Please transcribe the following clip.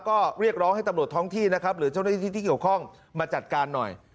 ก็เรียกร้องให้ตำรวจท้องที่นะครับหรือเจ้าหน้าที่ที่เกี่ยวข้องมาจัดการหน่อย